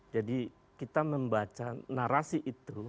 jadi kita membaca narasi itu